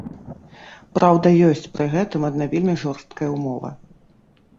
Праўда, ёсць пры гэтым адна вельмі жорсткая ўмова.